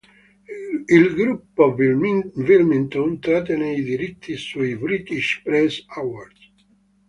Il Gruppo Wilmington trattenne i diritti sui "British Press Awards".